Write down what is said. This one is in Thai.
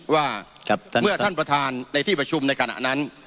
ว่าเมื่อท่านประธานในที่ประชุมในขณะนั้น